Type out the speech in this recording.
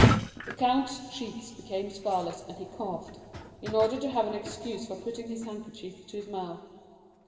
The count's cheeks became scarlet, and he coughed, in order to have an excuse for putting his handkerchief to his mouth.